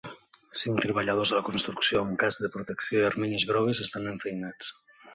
Cinc treballadors de la construcció amb cascs de protecció i armilles grogues estan enfeinats.